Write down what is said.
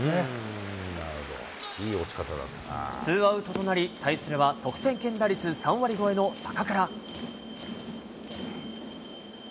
ツーアウトとなり、対するは得点圏打率３割超えの坂倉。